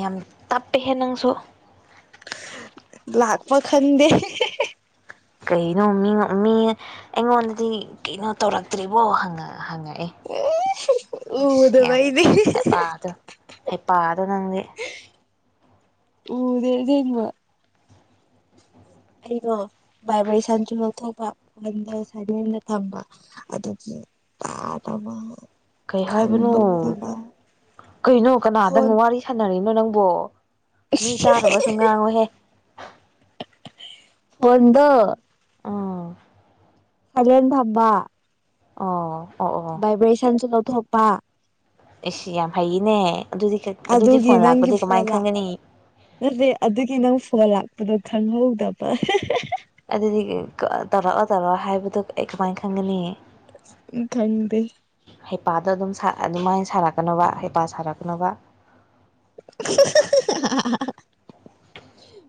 ꯌꯥꯝ ꯇꯞꯄꯦꯍꯦ ꯅꯪꯁꯨ꯫ ꯂꯥꯛꯄ ꯈꯡꯗꯦ꯫ ꯀꯩꯅꯣ ꯃꯤ ꯃꯤ꯫ ꯑꯩꯉꯣꯟꯗꯗꯤ ꯀꯩꯅꯣ ꯇꯧꯔꯛꯇ꯭ꯔꯤꯕꯣ ꯍꯪꯉꯛꯑꯦ꯫ ꯎ ꯑꯁ ꯑꯗꯨꯕꯩꯗꯤ꯫ ꯍꯩ ꯄꯗꯣ ꯅꯪꯗꯤ꯫ ꯎꯗꯕ꯫ ꯑꯩꯩꯗꯣ ꯚꯥꯏꯕꯔꯦꯁꯟꯁꯨ ꯂꯧꯊꯣꯛꯄ ꯐꯣꯟꯗ ꯁꯥꯏꯂꯦꯟꯗ ꯊꯝꯕ꯫ ꯑꯗꯨꯗꯒꯤ ꯇꯥꯗꯔꯕ ꯫ ꯀꯩ ꯍꯥꯏꯕꯅꯣ ꯀꯩꯅꯣ ꯀꯅꯥꯗꯪ ꯐꯣꯟ ꯋꯥꯔꯤ ꯁꯥꯟꯅꯔꯤꯅꯣ ꯅꯪꯕꯣ꯫ ꯃꯤ ꯇꯥꯔꯕꯁꯨ ꯉꯥꯡꯉꯨꯍꯦ꯫ ꯐꯣꯟꯗꯣ꯫ ꯑꯥ꯫ ꯁꯏꯂꯦꯟ ꯊꯝꯕꯥ꯫ ꯑꯣ ꯑꯣ ꯑꯣ꯫ ꯕꯥꯏꯕꯦ ꯁꯟꯁꯨ ꯂꯧꯊꯣꯛꯄ꯫ ꯑꯩ ꯌꯥꯝ ꯍꯩꯅꯦ ꯑꯗꯨꯗꯤ ꯑꯗꯨꯗꯤ ꯑꯗꯨꯒꯤ ꯐꯣꯟ ꯂꯥꯛꯄꯗꯤ ꯀꯃꯥꯏꯅ ꯈꯪꯒꯅꯤ꯫ ꯑꯗꯨ ꯑꯗꯨꯒꯤ ꯅꯪ ꯐꯣꯟ ꯂꯥꯛꯄꯗꯣ ꯈꯪꯍꯧꯗꯕ꯫ ꯑꯗꯨꯗꯤ ꯇꯧꯔꯛꯑꯣ ꯇꯧꯔꯛꯑꯣ ꯍꯥꯏꯕꯗꯨ ꯑꯩ ꯀꯃꯥꯏꯅ ꯈꯪꯒꯅꯤ꯫ ꯎꯝ ꯈꯪꯡꯗꯦ꯫ ꯍꯩꯄꯥꯗꯣ ꯑꯗꯨꯝ ꯁꯥ ꯑꯗꯨꯃꯥꯏꯅ ꯁꯥꯔꯛꯀꯅꯣꯕ ꯍꯩꯄꯥ ꯁꯥꯔꯛꯅꯣꯕ꯫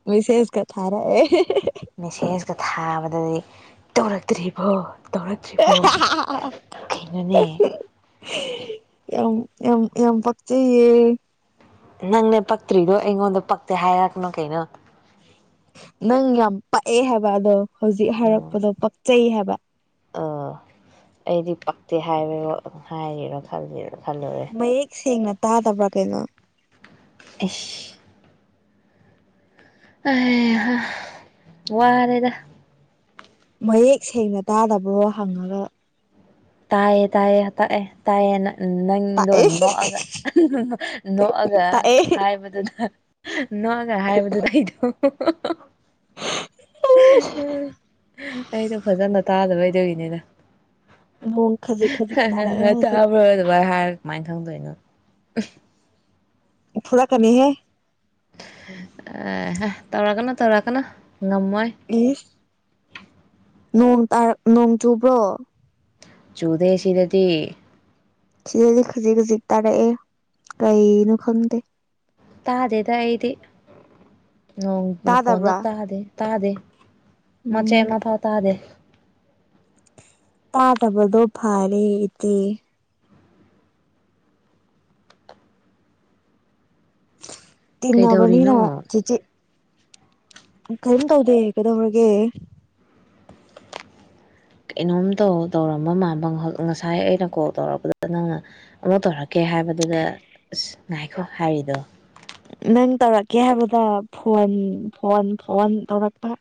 ꯃꯦꯁꯦꯁ ꯀ ꯊꯥꯔꯛꯑꯦ꯫ ꯃꯦꯁꯦꯖꯀ ꯊꯥꯕꯗꯗꯤ ꯇꯧꯔꯛꯇ꯭ꯔꯤꯕꯣ꯫ ꯇꯧꯔꯛꯇ꯭ꯔꯤꯕꯣ ꯀꯩꯅꯣꯅꯦ ꯌꯥꯝ ꯌꯥꯝ ꯌꯥꯝ ꯄꯛꯆꯩꯌꯦ ꯅꯪꯅꯦ ꯄꯛꯇ꯭ꯔꯤꯗꯣ ꯑꯩꯉꯣꯟꯗ ꯄꯛꯇꯦ ꯍꯥꯏꯔꯛꯅꯨ ꯀꯩꯅꯣ ꯅꯪ ꯌꯥꯝ ꯄꯛꯑꯦ ꯍꯥꯏꯕ ꯑꯗꯣ ꯍꯧꯖꯤꯛ ꯍꯥꯏꯔꯛꯄꯗꯣ ꯄꯛꯆꯩ ꯍꯥꯏꯕ ꯑꯥ ꯑꯩꯗꯤ ꯄꯛꯇꯦ ꯍꯥꯏꯕꯔꯣ ꯍꯥꯏꯔꯤꯔꯣ ꯈꯜꯂꯤꯔꯣ ꯃꯌꯦꯛ ꯁꯦꯡꯅ ꯇꯥꯗꯕ꯭ꯔꯥ ꯀꯩꯅꯣ ꯑꯦꯁ ꯑꯩꯍꯥ ꯋꯥꯔꯦꯗ ꯃꯌꯦꯛ ꯁꯦꯡꯅ ꯇꯥꯗꯕ꯭ꯔꯣ ꯍꯪꯉꯒ ꯇꯥꯏꯌꯦ ꯇꯥꯏꯌꯦ ꯇꯥꯛꯑꯦ ꯇꯥꯏꯌꯦꯅꯥ ꯅꯪꯗꯣ ꯇꯥꯛꯑꯦ ꯅꯣꯛꯑꯒ ꯅꯣꯛꯑꯒ ꯇꯥꯛꯑꯦ ꯍꯥꯏꯕꯗꯨꯅ ꯅꯣꯛꯑꯒ ꯍꯥꯏꯕꯗꯨ ꯑꯩꯗꯣ ꯑꯩꯗꯣ ꯐꯖꯅ ꯇꯥꯗꯕꯩ ꯑꯗꯨꯒꯤꯅꯤꯗ [unintelligible] ꯈꯖꯤꯛ ꯇꯥꯔꯛꯑꯦ [unintelligible] ꯍꯧꯖꯤꯛ ꯇꯥꯕ꯭ꯔ ꯑꯗꯨꯃꯥꯐ ꯍꯥꯏꯔ ꯀꯃꯥꯏꯅ ꯈꯪꯗꯣꯏꯅꯣ ꯐꯨꯔꯛꯀꯅꯤꯍꯦ ꯑꯦꯍꯦ ꯇꯧꯔꯛꯀꯅꯨ ꯇꯧꯔꯛꯀꯅꯨ ꯉꯝꯃꯣꯏ ꯏꯁ ꯅꯣꯡ ꯇꯥꯔꯛ ꯅꯣꯡ ꯆꯨꯕ꯭ꯔꯣ ꯆꯨꯗꯦ ꯁꯤꯗꯗꯤ ꯁꯤꯗꯗꯤ ꯈꯖꯤꯛ ꯈꯖꯤꯛ ꯇꯥꯔꯛꯑꯦ ꯀꯩꯅꯣ ꯈꯪꯗꯦ ꯇꯥꯗꯦꯗ ꯑꯩꯗꯤ ꯅꯣꯡ ꯃꯈꯣꯟꯗꯣ ꯇꯥꯗꯕ꯭ꯔꯥ ꯇꯥꯗꯦ ꯇꯥꯗꯦ ꯃꯆꯦꯠ ꯎꯝ ꯑꯃ ꯐꯥꯎ ꯇꯥꯗꯦ ꯇꯥꯗꯕꯗꯣ ꯐꯔꯦ ꯏꯆꯦ ꯀꯩꯗꯧꯔꯤꯅꯣ ꯇꯤꯟꯅꯕꯅꯤꯅ ꯆꯤꯆꯤ ꯀꯔꯤꯝ ꯇꯧꯗꯦ ꯀꯩꯗꯧꯔꯒꯦ ꯀꯩꯅꯣꯝꯇꯧ ꯇꯧꯔꯝꯕ ꯃꯥꯟꯕ ꯉꯁꯥꯏ ꯑꯩꯅ ꯀꯣꯜ ꯇꯧꯔꯛꯄꯗꯨꯗ ꯅꯪꯅ ꯑꯃ ꯇꯧꯔꯛꯀꯦ ꯍꯥꯏꯕꯗꯨꯗ ꯑꯁ ꯉꯥꯏꯈꯣ ꯍꯥꯏꯔꯤꯗꯣ ꯅꯪ ꯇꯧꯔꯛꯀꯦ ꯍꯥꯏꯕꯗ ꯐꯣꯟ ꯐꯣꯟ ꯐꯣꯟ ꯇꯧꯔꯛꯄ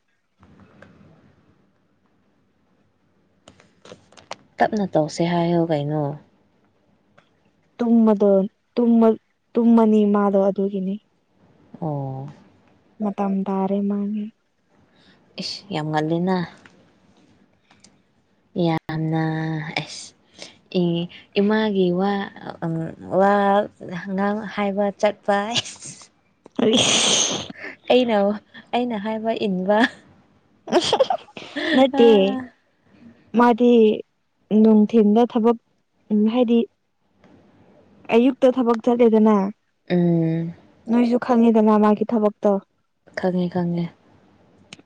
ꯇꯞꯅ ꯇꯧꯁꯦ ꯍꯥꯏꯌꯣ ꯀꯩꯅꯣ ꯇꯨꯝꯃꯗꯣꯟ ꯇꯨꯝꯃ ꯇꯨꯝꯃꯅꯤ ꯃꯥꯗꯣ ꯑꯗꯨꯒꯤꯅꯤ ꯑꯣ ꯃꯇꯝ ꯇꯥꯔꯦ ꯃꯥꯒꯤ ꯏꯁ ꯌꯥꯝ ꯉꯜꯂꯤꯅ ꯌꯥꯝꯅ ꯑꯁ ꯑꯦ ꯏꯃꯥꯒꯤ ꯋꯥ ꯋꯥꯉꯥꯡ ꯍꯥꯏꯕ ꯆꯠꯄ [unintelligible] ꯑꯩꯅ ꯑꯩꯅ ꯍꯥꯏꯕ ꯏꯟꯕ ꯅꯠꯇꯦ ꯃꯥꯗꯤ ꯅꯨꯡꯊꯤꯟꯗ ꯊꯕꯛ ꯍꯥꯏꯗꯤ ꯑꯌꯨꯛꯇ ꯊꯕꯛ ꯆꯠꯂꯦꯗꯅ ꯎꯝ ꯅꯣꯏꯁꯨ ꯈꯪꯉꯤꯗꯅ ꯃꯥꯒꯤ ꯊꯕꯛꯇꯣ ꯈꯪꯉꯦ ꯈꯪꯉꯦ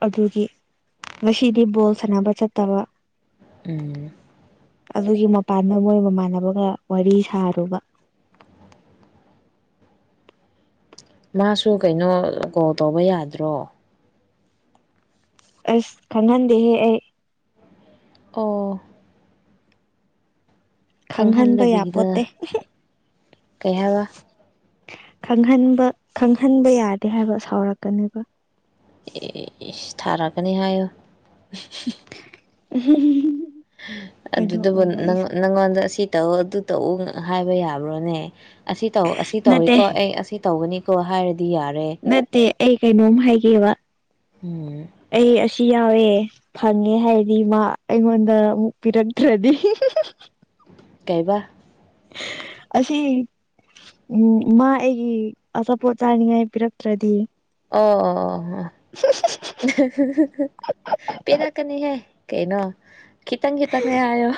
ꯑꯗꯨꯒꯤ ꯉꯁꯤꯗꯤ ꯕꯣꯜ ꯁꯥꯟꯅꯕ ꯆꯠꯇꯕ ꯎꯝ ꯑꯗꯨꯒꯤ ꯃꯄꯥꯟꯗ ꯃꯣꯏ ꯃꯃꯥꯟꯅꯕꯒ ꯋꯥꯔꯤ ꯁꯥꯔꯨꯕ ꯃꯥꯁꯨ ꯀꯩꯅꯣ ꯀꯣꯜ ꯇꯧꯕ ꯌꯥꯗ꯭ꯔꯣ ꯑꯁ ꯈꯪꯍꯟꯗꯦꯍꯦ ꯑꯩ ꯑꯣ ꯈꯪꯍꯟꯕ ꯌꯥꯄꯣꯠꯇꯦ ꯈꯪꯍꯟꯗꯕꯤꯗ ꯀꯩ ꯍꯥꯏꯕ ꯈꯪꯍꯟꯕ ꯈꯪꯍꯟꯕ ꯌꯥꯗꯦ ꯍꯥꯏꯕ ꯁꯥꯎꯔꯛꯀꯅꯦꯕ ꯑꯦ ꯊꯥꯔꯛꯒꯅꯤ ꯍꯥꯏꯌꯨ [inaudible] ꯑꯗꯨ ꯑꯗꯨꯗꯨꯕꯨ ꯑꯣꯏꯕ ꯑꯩꯁꯨ ꯅꯪꯉꯣꯟꯗ ꯁꯤ ꯇꯧ ꯑꯗꯨ ꯇꯧꯎ ꯍꯥꯏꯕ ꯌꯥꯕ꯭ꯔꯣꯅꯦ ꯑꯁꯤ ꯇꯧ ꯑꯁꯤ ꯅꯠꯇꯦ ꯇꯧꯔꯤꯀꯣ ꯑꯩ ꯑꯁꯤ ꯇꯧꯕꯅꯤꯀꯣ ꯍꯥꯏꯔꯗꯤ ꯌꯥꯔꯦ ꯅꯠꯇꯦ ꯑꯩ ꯀꯩꯅꯣꯝ ꯍꯥꯏꯒꯦꯕ ꯎꯝ ꯑꯩ ꯑꯁꯤ ꯌꯥꯎꯋꯦ ꯐꯪꯉꯦ ꯍꯥꯏꯔꯗꯤ ꯃꯥ ꯑꯩꯉꯣꯟꯗ ꯑꯃꯨꯛ ꯄꯤꯔꯛꯇ꯭ꯔꯗꯤ ꯀꯥꯏꯕ ꯑꯁꯤꯁꯤ ꯎꯝ ꯃꯥ ꯑꯩꯒꯤ ꯑꯆꯥꯄꯣꯠ ꯆꯥꯅꯤꯡꯉꯥꯏ ꯄꯤꯔꯛꯇ꯭ꯔꯗꯤ ꯑꯣ ꯄꯦꯔꯛꯀꯅꯤꯍꯦ ꯀꯩꯅꯣ ꯈꯤꯇꯪ ꯈꯤꯇꯪꯅꯦ ꯍꯥꯏꯌꯣ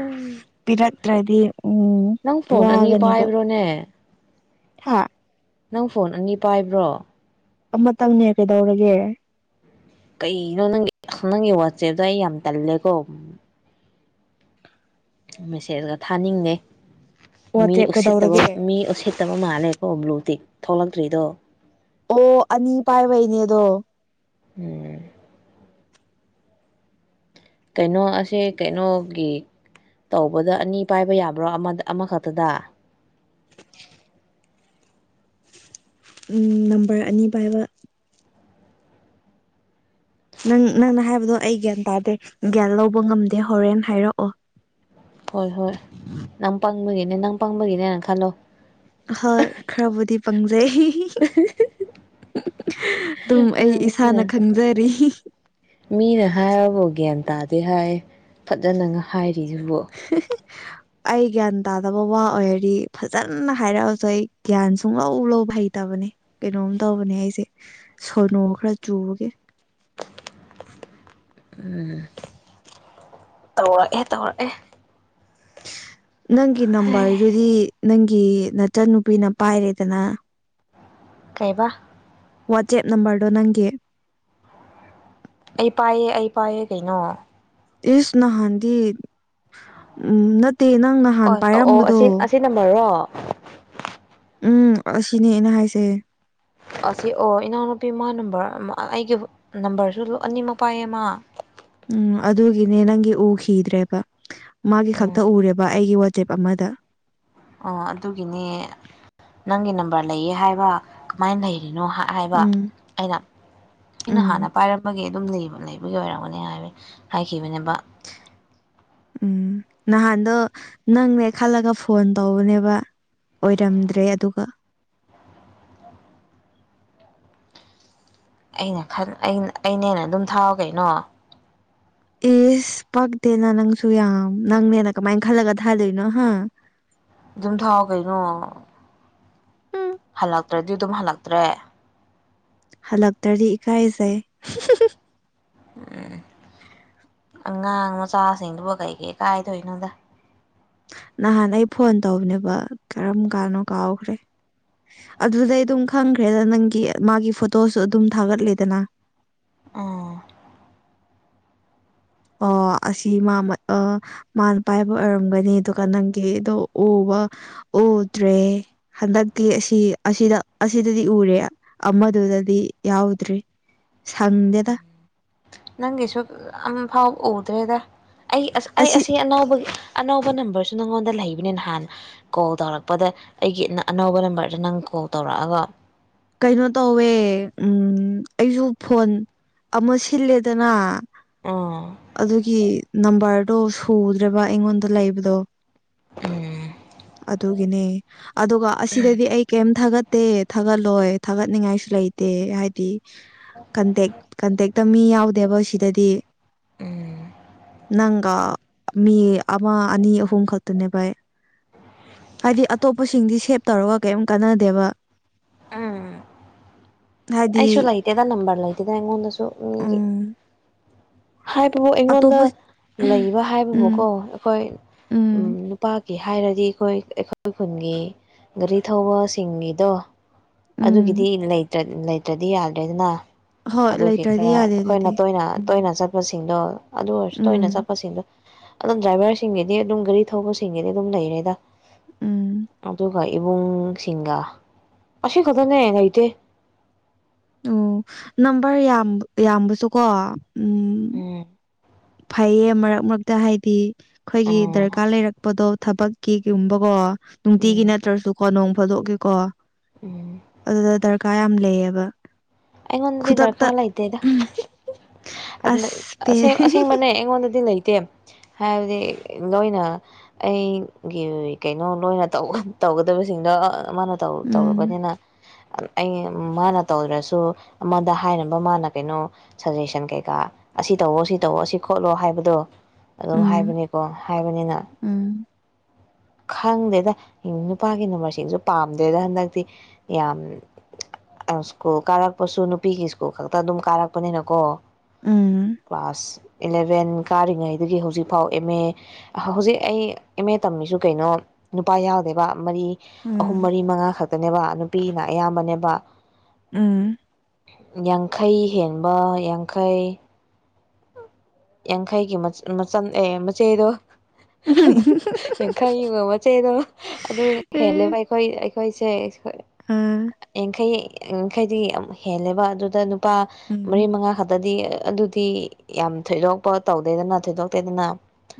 ꯎꯝ ꯄꯤꯔꯛꯇ꯭ꯔꯗꯤ ꯎꯝ ꯅꯪ ꯐꯣꯟ ꯑꯅꯤ ꯄꯥꯏꯕ꯭ꯔꯣꯅꯦ ꯍꯥꯥ ꯅꯪ ꯐꯣꯟ ꯑꯅꯤ ꯄꯥꯏꯕ꯭ꯔꯣ ꯑꯃꯇꯪꯅꯦ ꯀꯩꯗꯧꯔꯒꯦ ꯀꯩꯅꯣ ꯅꯪ ꯅꯪꯒꯤ ꯋꯥꯆꯦꯞꯇꯣ ꯑꯩ ꯌꯥꯝ ꯇꯜꯂꯦꯀꯣ ꯃꯦꯁꯦꯖꯒ ꯊꯥꯅꯤꯡꯉꯦ ꯃꯤ ꯋꯥꯆꯦꯞ ꯎꯁꯤꯠꯇꯕ ꯀꯩꯗꯧꯔꯒꯦ ꯃꯤ ꯎꯁꯤꯠ ꯐꯠꯇꯕ ꯃꯥꯜꯂꯦꯀꯣ ꯕ꯭ꯂꯨ ꯇꯤꯛ ꯊꯣꯛꯂꯛꯇ꯭ꯔꯤꯗꯣ ꯑꯣ ꯑꯅꯤ ꯄꯥꯏꯕꯩꯅꯦꯗꯣ ꯎꯝ ꯀꯩꯅꯣ ꯑꯁꯦ ꯀꯩꯅꯣꯒꯤ ꯇꯧꯕꯗ ꯑꯅꯤ ꯄꯥꯏꯕ ꯌꯥꯕ꯭ꯔꯣ ꯑꯃꯗ ꯑꯃꯈꯛꯇꯗ [inaudible] ꯅꯝꯕꯔ ꯑꯅꯤ ꯄꯥꯏꯕ ꯅꯪ ꯅꯪꯅ ꯍꯥꯏꯕꯗꯣ ꯑꯩ ꯒ꯭ꯌꯥꯟ ꯇꯥꯗꯦ ꯒ꯭ꯌꯥꯟ ꯂꯧꯕ ꯉꯝꯗꯦ ꯍꯣꯔꯦꯟꯅ ꯍꯥꯏꯔꯛꯑꯣ ꯍꯣꯏ ꯍꯣꯏ ꯅꯪ ꯄꯪꯕꯒꯤꯅꯦ ꯅꯪ ꯄꯪꯕꯒꯤꯅꯦꯅ ꯈꯜꯂꯣ ꯍꯣꯏ ꯈꯔꯕꯨꯗꯤ ꯄꯪꯖꯩ ꯑꯗꯨꯝ ꯑꯩ ꯏꯁꯥꯅ ꯃꯤꯅ ꯈꯪꯖꯔꯤ ꯃꯤꯅ ꯍꯥꯏꯔꯕ ꯒ꯭ꯌꯥꯟ ꯇꯥꯗꯦ ꯍꯥꯏ ꯐꯖꯅ ꯍꯥꯏꯔꯤꯁꯤꯕꯨ [unintelligible] ꯑꯩ ꯒ꯭ꯌꯥꯟ ꯇꯥꯗꯕ ꯋꯥ ꯑꯣꯏꯔꯤ ꯐꯖꯅ ꯍꯥꯏꯔꯛꯑꯁꯨ ꯑꯩ ꯒ꯭ꯌꯥꯟ ꯁꯨꯡ ꯂꯧ ꯂꯧꯕ ꯍꯩꯇꯕꯅꯤ ꯀꯩꯅꯣꯝ ꯇꯧꯕꯅꯦ ꯑꯩꯁꯦ ꯁꯣꯅꯨ ꯈꯔ ꯆꯨꯕꯒꯦ ꯎꯝ ꯇꯧꯔꯛꯑꯦ ꯇꯧꯔꯛꯑꯦ ꯅꯪꯒꯤ ꯅꯝꯕꯔꯗꯨꯗꯤ ꯅꯪꯒꯤ ꯅꯠꯇ꯭ꯔ ꯅꯨꯄꯤꯅ ꯄꯥꯏꯔꯦꯗꯅ ꯀꯩꯕ ꯋꯥꯆꯦꯞ ꯅꯝꯕꯔꯗꯣ ꯅꯪꯒꯤ ꯑꯩ ꯄꯥꯏꯌꯦ ꯑꯩ ꯄꯥꯏꯌꯦ ꯀꯩꯅꯣ ꯏꯁ ꯅꯍꯥꯟꯗꯤ ꯎ ꯅꯠꯇꯦ ꯅꯪ ꯅꯍꯥꯟ ꯄꯥꯏꯔꯝꯕꯗꯣ ꯅꯝꯕꯔꯣ ꯎꯝ ꯑꯁꯤꯅꯦ ꯑꯩꯅ ꯍꯥꯏꯁꯦ ꯑꯁꯤ ꯑꯣ ꯏꯅꯥꯎꯅꯨꯄꯤ ꯃꯥ ꯅꯝꯕꯔ ꯑꯩꯒꯤ ꯅꯝꯕꯔꯁꯨ ꯂ ꯑꯅꯤꯃ ꯄꯥꯏꯌꯦꯃ ꯎꯝ ꯑꯗꯨꯒꯤꯅꯦ ꯅꯪꯒꯤ ꯎꯈꯤꯗ꯭ꯔꯦꯕ ꯃꯥꯒꯤ ꯈꯛꯇ ꯎꯝ ꯎꯔꯦꯕ ꯑꯩꯒꯤ ꯁ꯭ꯇꯦꯞ ꯑꯃꯗ ꯑꯣ ꯑꯗꯨꯒꯤꯅꯦ ꯅꯪꯒꯤ ꯅꯝꯕꯔ ꯂꯩꯌꯦ ꯍꯥꯏꯕ ꯀꯃꯥꯏꯅ ꯂꯩꯔꯤꯅꯣ ꯍꯥꯏꯕ ꯎꯝ ꯑꯩꯅ ꯑꯩꯅ ꯎꯝ ꯍꯥꯟꯅ ꯄꯥꯏꯔꯝꯕꯒꯦ ꯑꯗꯨꯝ ꯂꯩꯕꯒꯤ ꯑꯣꯏꯔꯝꯒꯅꯤ ꯍꯥꯏꯕ ꯍꯥꯏꯈꯤꯕꯅꯦꯅꯕ ꯎꯝ ꯅꯍꯥꯟꯗꯣ ꯅꯪꯅꯦ ꯈꯜꯂꯒ ꯐꯣꯟ ꯇꯧꯕꯅꯦꯕ ꯑꯣꯏꯔꯝꯗ꯭ꯔꯦ ꯑꯗꯨꯒ ꯑꯩꯅ ꯈ ꯑꯩꯅꯦꯅ ꯑꯗꯨꯝ ꯊꯥꯎ ꯀꯩꯅꯣ ꯑꯦꯁ ꯄꯥꯛꯇꯦꯅ ꯅꯪꯁꯨ ꯌꯥꯝ ꯅꯪꯅꯦꯅ ꯀꯃꯥꯏꯅ ꯈꯜꯂꯒ ꯊꯥꯗꯣꯏꯅꯣ ꯍꯥ ꯑꯗꯨꯝ ꯊꯥꯎ ꯀꯩꯅꯣ ꯎꯝ ꯍꯜꯂꯛꯇ꯭ꯔꯗꯤ ꯑꯗꯨꯝ ꯍꯜꯂꯛꯇ꯭ꯔꯦ ꯍꯜꯂꯛꯇ꯭ꯔꯗꯤ ꯏꯀꯥꯏꯖꯩ ꯎꯝ ꯑꯉꯥꯡ ꯃꯆꯥꯁꯤꯡꯗꯨꯕ ꯀꯩ ꯀꯩ ꯀꯥꯏꯗꯣꯏ ꯅꯪꯗ ꯅꯍꯥꯟ ꯑꯩ ꯐꯣꯟ ꯇꯧꯕꯅꯦꯕ ꯀꯔꯝ ꯀꯥꯟꯅꯣ ꯀꯥꯎꯈ꯭ꯔꯦ ꯑꯗꯨꯗꯩ ꯑꯗꯨꯝ ꯈꯪꯈ꯭ꯔꯦꯗ ꯅꯪꯒꯤ ꯃꯥꯒꯤ ꯐꯣꯇꯣꯁꯨ ꯑꯗꯨꯝ ꯊꯥꯒꯠꯂꯤꯗꯅ ꯑꯥ ꯑ ꯑꯁꯤ ꯃꯥꯃ ꯑ ꯃꯥꯅ ꯄꯥꯏꯕ ꯑꯣꯏꯔꯝꯒꯅꯤ ꯑꯗꯨꯒ ꯅꯪꯒꯤꯗꯣ ꯎꯕ ꯎꯗ꯭ꯔꯦ ꯍꯟꯗꯛꯇꯤ ꯑꯁꯤ ꯑꯁꯤꯗ ꯑꯁꯤꯗꯗꯤ ꯎꯔꯦ ꯑꯃꯗꯨꯗꯗꯤ ꯌꯥꯎꯗ꯭ꯔꯤ ꯁꯪꯗꯦꯗ ꯅꯪꯒꯤꯁꯨ ꯑꯝꯐꯥꯎꯕ ꯎꯗ꯭ꯔꯦꯗ ꯑꯩ ꯑꯩ ꯑꯁꯤ ꯑꯅꯥꯎꯕꯒꯤ ꯑꯅꯧꯕ ꯅꯝꯕꯔꯁꯨ ꯅꯪꯉꯣꯟꯗ ꯂꯩꯕꯅꯤ ꯅꯍꯥꯟ ꯀꯣꯜ ꯇꯧꯔꯛꯄꯗ ꯑꯩꯒꯤ ꯑꯅꯧꯕ ꯅꯝꯕꯔꯗ ꯅꯪ ꯀꯣꯜ ꯇꯧꯔꯛꯑꯒ ꯀꯩꯅꯣ ꯇꯧꯋꯦ ꯎ ꯑꯩꯁꯨ ꯐꯣꯟ ꯑꯃ ꯁꯤꯜꯂꯦꯗꯅ ꯎꯝ ꯑꯗꯨꯒꯤ ꯅꯝꯕꯔꯗꯣ ꯁꯨꯗ꯭ꯔꯦꯕ ꯑꯩꯉꯣꯟꯗ ꯂꯩꯕꯗꯣ ꯎꯝ ꯑꯗꯨꯒꯤꯅꯦ ꯑꯗꯨꯒ ꯑꯁꯤꯗꯗꯤ ꯑꯩ ꯀꯩꯝ ꯊꯥꯒꯠ ꯇꯦ ꯊꯥꯒꯠꯂꯣꯏ ꯊꯥꯒꯠꯅꯤꯡꯉꯥꯏꯁꯨ ꯂꯩꯇꯦ ꯍꯥꯏꯗꯤ ꯀꯟꯇꯦꯛ ꯀꯟꯇꯦꯛꯇ ꯃꯤ ꯌꯥꯎꯗꯦꯕ ꯁꯤꯗꯗꯤ ꯎꯝ ꯅꯪꯒ ꯃꯤ ꯑꯃ ꯑꯅꯤ ꯑꯍꯨꯝ ꯈꯛꯇꯅꯦ ꯕꯥ ꯍꯥꯏꯗꯤ ꯑꯇꯣꯞꯄꯁꯤꯡꯗꯤ ꯁꯦꯞ ꯇꯧꯔꯒ ꯀꯔꯤꯝ ꯀꯥꯟꯅꯗꯦꯕ ꯎꯝ ꯍꯥꯏꯗꯤ ꯑꯩꯁꯨ ꯂꯩꯇꯦꯗ ꯅꯝꯕꯔ ꯂꯩꯇꯦꯗ ꯑꯩꯉꯣꯟꯗꯁꯨ ꯃꯤꯒꯤ ꯎꯝ ꯍꯥꯏꯕꯕꯨ ꯑꯩꯉꯣꯟꯗ ꯑꯇꯣꯞꯄ ꯂꯩꯕ ꯍꯥꯏꯕꯕꯨꯀꯣ ꯎꯝ ꯑꯩꯈꯣꯏ ꯎꯝ ꯄꯥꯛꯀꯤ ꯍꯥꯏꯔꯗꯤ ꯑꯩꯈꯣꯏ ꯑꯩꯈꯣꯏ ꯈꯨꯟꯒꯤ ꯒꯥꯔꯤ ꯊꯧꯕꯁꯤꯡꯒꯤꯗꯣ ꯎꯝ ꯑꯗꯨꯒꯤꯗꯤ ꯂꯩꯇ꯭ꯔ ꯂꯩꯇ꯭ꯔꯗꯤ ꯌꯥꯗ꯭ꯔꯦ ꯑꯗꯨꯅ ꯍꯣꯏ ꯑꯗꯨꯒꯤ ꯂꯩꯇ꯭ꯔꯗꯤ ꯈꯔ ꯌꯥꯗꯦ ꯑꯩꯈꯣꯏꯅ ꯑꯗꯨꯗꯤ ꯇꯣꯏꯅ ꯎꯝ ꯇꯣꯏꯅ ꯆꯠꯄꯁꯤꯡꯗꯣ ꯑꯗꯨ ꯑꯣꯏꯔꯁꯨ ꯇꯣꯏꯅ ꯎꯝ ꯆꯠꯄꯁꯤꯡꯗꯣ ꯑꯗꯨꯝ ꯗ꯭ꯔꯥꯏꯚꯔꯁꯤꯡꯒꯤꯗꯤ ꯑꯗꯨꯝ ꯒꯥꯔꯤ ꯊꯧꯕꯁꯤꯡꯒꯤꯗꯤ ꯑꯗꯨꯝ ꯂꯩꯔꯦꯗ ꯎꯝ ꯑꯗꯨꯒ ꯏꯕꯨꯡ ꯁꯤꯡꯒꯥ ꯑꯁꯤ ꯈꯛꯇꯅꯦ ꯂꯩꯇꯦ ꯑꯣ ꯅꯝꯕꯔ ꯌꯥꯝ ꯌꯥꯝꯕꯁꯨꯀꯣ ꯎꯝ ꯎꯝ ꯐꯩꯌꯦ ꯃꯔꯛ ꯃꯔꯛꯇ ꯍꯥꯏꯗꯤ ꯑꯩꯈꯣꯏꯒꯤ ꯎꯝ ꯗꯔꯀꯥꯔ ꯂꯩꯔꯛꯄꯗꯣ ꯊꯕꯛꯀꯤꯒꯨꯝꯕꯀꯣ ꯅꯨꯡꯇꯤꯒꯤ ꯎꯝ ꯅꯠꯇ꯭ꯔꯁꯨꯀꯣ ꯅꯣꯡ ꯐꯥꯗꯣꯛꯒꯤꯀꯣ ꯎꯝ ꯑꯗꯨꯗ ꯗꯔꯀꯥꯔ ꯌꯥꯝ ꯂꯩꯌꯦꯕ ꯑꯩꯉꯣꯟꯗꯗꯤ ꯈꯨꯗꯛꯇ ꯗꯔꯀꯥꯔ ꯂꯩꯇꯦꯗ ꯑꯗꯨꯅ ꯑꯁ ꯄꯦ ꯑꯁꯦꯡꯕꯅꯦ ꯑꯩꯉꯣꯟꯗꯗꯤ ꯗꯤ ꯂꯩꯇꯦ ꯍꯥꯏꯕꯗꯤ ꯂꯣꯏꯅ ꯑꯩꯒꯤ ꯀꯩꯅꯣ ꯂꯣꯏꯅ ꯇꯧꯒꯗꯕꯁꯤꯡꯗꯣ ꯃꯥꯅ ꯎꯝ ꯇꯧꯔꯕꯅꯤꯅ ꯑꯩ ꯃꯥꯅ ꯇꯧꯗ꯭ꯔꯁꯨ ꯑꯃꯗ ꯍꯥꯏꯅꯕ ꯃꯥꯅ ꯀꯩꯅꯣ ꯁꯖꯦꯁꯟ ꯀꯩꯀꯥ ꯑꯁꯤ ꯇꯧꯋꯣ ꯁꯤ ꯇꯧꯋꯣ ꯑꯁꯤ ꯈꯣꯠꯂꯣ ꯍꯥꯏꯕꯗꯣ ꯑꯗꯨꯝ ꯎꯝ ꯍꯥꯏꯕꯅꯤꯀꯣ ꯍꯥꯏꯕꯅꯤꯅ ꯎꯝ ꯈꯪꯗꯦꯗ ꯅꯨꯄꯥꯒꯤ ꯅꯝꯕꯔꯁꯤꯡꯁꯨ ꯄꯥꯝꯗꯦꯗ ꯍꯟꯗꯛꯇꯤ ꯌꯥꯝ ꯁ꯭ꯀꯨꯜ ꯀꯥꯔꯛꯄꯁꯨ ꯅꯨꯄꯤꯒꯤ ꯁ꯭ꯀꯨꯜ ꯈꯛꯇ ꯑꯗꯨꯝ ꯀꯥꯔꯛꯄꯅꯤꯅꯀꯣ ꯎꯝ ꯀ꯭ꯂꯥꯁ ꯏꯂꯕꯦꯟ ꯀꯥꯔꯤꯉꯩꯗꯒꯤ ꯍꯧꯖꯤꯛꯐꯥꯎ ꯑꯦꯝ ꯑꯦ ꯍꯧꯖꯤꯛ ꯑꯩ ꯏꯦꯝ ꯑꯦ ꯇꯝꯃꯤꯁꯨ ꯀꯩꯅꯣ ꯅꯨꯄꯥ ꯌꯥꯎꯗꯦꯕ ꯃꯔꯤ ꯑꯍꯨꯝ ꯎꯝ ꯃꯔꯤ ꯃꯉꯥ ꯈꯛꯇꯅꯦꯕ ꯄꯄꯤꯅ ꯑꯌꯥꯝꯕꯅꯦꯕ ꯎꯝ ꯌꯥꯡꯈꯩ ꯍꯦꯟꯕ ꯌꯥꯡꯈꯩ ꯌꯥꯡꯈꯩꯒꯤ ꯃꯆ ꯑꯦ ꯃꯆꯦꯗꯣ ꯑꯗꯨ ꯑꯦ ꯌꯥꯡꯈꯩꯕ ꯃꯆ ꯆꯩꯗꯣ ꯑꯗꯨ ꯍꯦꯂꯕ ꯑꯩꯈꯣꯏ ꯑꯩꯈꯣꯏꯁꯦ ꯎꯝ ꯌꯥꯡꯈꯩ ꯌꯥꯡꯈꯩꯗꯤ ꯑꯃꯛ ꯍꯦꯜꯂꯦꯕ ꯑꯗꯨꯗ ꯅꯨꯄꯥ ꯃꯔꯤ ꯎꯝ ꯃꯉꯥ ꯈꯛꯇ ꯍꯥꯏꯗꯤ ꯑꯗꯨꯗꯤ ꯌꯥꯝ ꯊꯣꯏꯗꯣꯛꯄ ꯇꯧꯗꯦꯗꯅ ꯊꯣꯏꯗꯣꯛꯇꯦꯗꯅ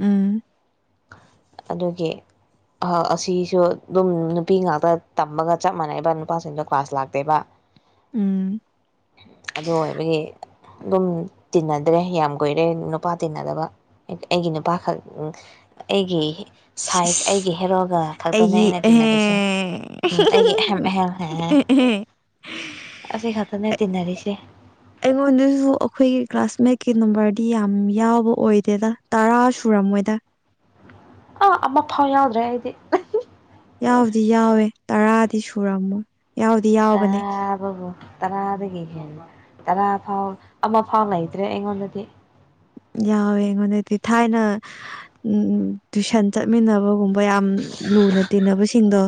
ꯎꯝ [unintelligible] ꯑꯗꯨꯒꯤ ꯑꯁꯤꯁꯨ ꯑꯗꯨꯝ ꯅꯨꯄꯤ ꯉꯥꯛꯇ ꯇꯝꯕꯒ ꯆꯞ ꯃꯥꯟꯅꯩꯅꯕ ꯅꯨꯄꯥꯁꯤꯡꯗꯣ ꯀ꯭ꯂꯥꯁ ꯂꯥꯛꯇꯦꯕ ꯎꯝ ꯑꯗꯨ ꯑꯣꯏꯕꯒꯤ ꯑꯗꯨꯝ ꯇꯤꯟꯅꯗ꯭ꯔꯦ ꯌꯥꯝ ꯀꯨꯏꯔꯦ ꯅꯨꯄꯥ ꯇꯤꯟꯅꯗꯕ ꯑꯩꯒꯤ ꯅꯨꯄꯥꯈꯛ ꯑꯩꯒꯤ ꯁꯥꯏ ꯑꯩꯒꯤ ꯍꯦꯔꯣꯒ ꯈꯛꯇꯅꯦ ꯑꯩꯒꯤ ꯑꯩꯅ ꯑꯦ ꯑꯦ ꯇꯤꯟꯅꯔꯤꯁꯦ ꯎ ꯑꯩꯒꯤ ꯑꯍꯦꯝ ꯍ ꯍꯦ ꯁꯤ ꯈꯇꯅꯦ ꯇꯅꯔꯤꯁꯦ ꯑꯩꯉꯣꯟꯗꯁꯨ ꯑꯩꯈꯣꯏꯒꯤ ꯀ꯭ꯂꯥꯁꯃꯦꯠꯀꯤ ꯅꯝꯕꯔꯗꯤ ꯌꯥꯝ ꯌꯥꯎꯕ ꯑꯣꯏꯗꯦꯗ ꯇꯔꯥ ꯁꯨꯔꯝꯃꯣꯏꯗ ꯑꯥ ꯑꯃ ꯐꯥꯎ ꯌꯥꯎꯗ꯭ꯔꯦ ꯑꯩꯗꯤ ꯌꯥꯎꯗꯤ ꯌꯥꯎꯋꯦ ꯇꯔꯥꯗꯤ ꯁꯨꯔꯝꯃꯣꯏ ꯌꯥꯎꯗꯤ ꯌꯥꯎꯕꯅꯦ ꯇꯥꯕꯕꯨꯨ ꯇꯔꯥꯗꯒꯤ ꯍꯦꯟꯅ ꯇꯔꯥ ꯐꯥꯎ ꯑꯃꯐꯥꯎ ꯂꯩꯇ꯭ꯔꯦ ꯑꯩꯉꯣꯟꯗꯗꯤ ꯌꯥꯎꯋꯦ ꯑꯩꯉꯣꯟꯗꯗꯤ ꯊꯥꯏꯅ ꯎꯝ ꯇꯨꯏꯁꯟ ꯆꯠꯃꯤꯟꯅꯕꯒꯨꯝꯕ ꯃ ꯌꯥꯝ ꯂꯨꯅ ꯇꯤꯟꯅꯕꯁꯤꯡꯗꯣ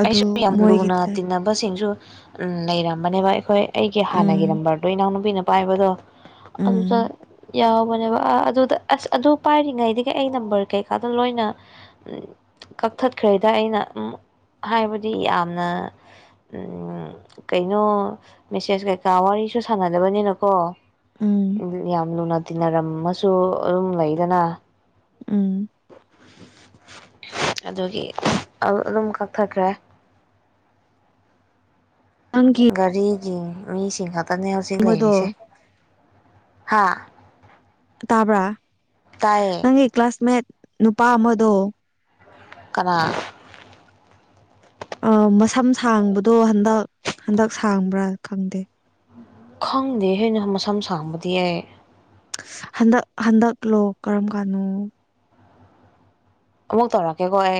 ꯑꯗꯨ ꯑꯩꯁꯨ ꯌꯥꯝ ꯃꯣꯏꯒꯤ ꯂꯨꯅ ꯇꯤꯟꯅꯕꯁꯤꯡꯁꯨ ꯂꯩꯔꯝꯕꯅꯦꯕ ꯑꯩꯈꯣꯏ ꯑꯩꯒꯤ ꯍꯥꯟꯅꯒꯤ ꯎꯝ ꯅꯝꯕꯔꯗꯣ ꯏꯅꯥꯎꯅꯨꯄꯤꯅ ꯄꯥꯏꯕꯗꯣ ꯑꯗꯨꯗ ꯎꯝ ꯌꯥꯎꯕꯅꯦꯕ ꯑꯥ ꯑꯗꯨꯗ ꯑꯁ ꯑꯗꯨ ꯄꯥꯏꯔꯤꯉꯩꯗꯒꯤ ꯑꯩ ꯅꯝꯕꯔ ꯀꯩꯀꯥꯗꯣ ꯂꯣꯏꯅ ꯀꯛꯊꯠꯈ꯭ꯔꯦꯗ ꯑꯩꯅ ꯍꯥꯏꯕꯗꯤ ꯌꯥꯝꯅ ꯀꯩꯅꯣ ꯃꯦꯁꯦꯁ ꯀꯩꯀꯥ ꯋꯥꯔꯤꯁꯨ ꯁꯥꯟꯅꯗꯕꯅꯤꯅꯀꯣ ꯎꯝ ꯌꯥꯝ ꯂꯨꯅ ꯇꯤꯟꯅꯔꯝꯃꯁꯨ ꯑꯗꯨꯝ ꯂꯩꯗꯅ ꯎꯝ ꯑꯗꯨꯒꯤ ꯑꯗꯨꯝ ꯀꯛꯊꯈ꯭ꯔꯦ ꯊꯪꯀꯤ ꯒꯥꯔꯤꯒꯤ ꯃꯤꯁꯤꯡ ꯈꯛꯇꯅꯦ ꯍꯧꯖꯤꯛ ꯂꯩꯔꯤꯁꯦ ꯑꯃꯗꯣ ꯍꯥ ꯇꯥꯕ꯭ꯔꯥ ꯇꯥꯏꯌꯦ ꯅꯪꯒꯤ ꯀ꯭ꯂꯥꯁꯃꯦꯠ ꯅꯨꯄꯥ ꯑꯃꯗꯣ ꯀꯅꯥ ꯑ ꯃꯁꯝ ꯁꯥꯡꯕꯗꯣ ꯍꯟꯗꯛ ꯍꯟꯗꯛ ꯁꯥꯡꯕ꯭ꯔꯥ ꯈꯪꯗꯦ ꯈꯪꯗꯦ ꯍꯩꯅ ꯃꯁꯝ ꯁꯥꯡꯕꯗꯤ ꯌꯥꯏ ꯍꯟꯗꯛ ꯍꯟꯗꯛꯂꯣ ꯀꯔꯝ ꯀꯥꯟꯅꯣ ꯃꯛ ꯊꯔ ꯀꯦ ꯀꯣꯏ